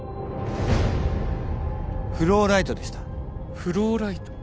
フローライトでしたフローライト？